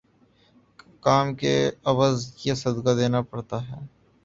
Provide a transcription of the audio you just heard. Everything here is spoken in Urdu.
کام کے عوض یہ صدقہ دینا پڑتا ہے۔